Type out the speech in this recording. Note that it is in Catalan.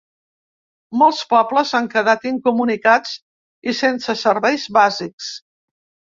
Molts pobles han quedat incomunicats i sense serveis bàsics.